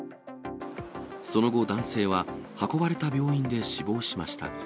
その後、男性は運ばれた病院で死亡しました。